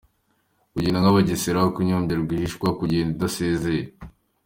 Kugenda nk’abagesera: Kunyonyomba rwihishwa, kugenda udasezeye.